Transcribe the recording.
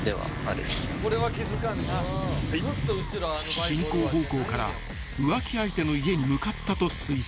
［進行方向から浮気相手の家に向かったと推測］